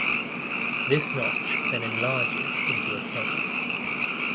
This notch then enlarges into a cave.